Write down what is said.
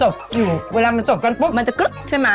อือเวลามันสดกันปุ๊บมันจะกรึ๊บใช่มั้ย